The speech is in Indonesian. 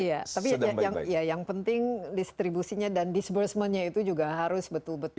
iya tapi yang penting distribusinya dan disbursementnya itu juga harus betul betul